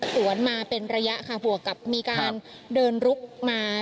สวนมาเป็นระยะค่ะบวกกับมีการเดินลุกมา